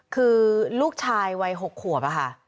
คือลูกชายวัยหกขัวได้มั้ยคะ